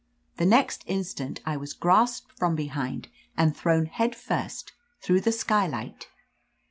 The next instant I was grasped from behind and thrown head first through the skylight.